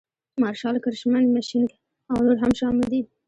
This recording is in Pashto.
مارشال کرشمن مشینک او نور هم شامل دي.